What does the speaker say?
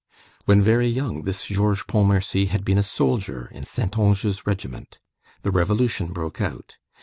When very young, this Georges Pontmercy had been a soldier in Saintonge's regiment. The revolution broke out.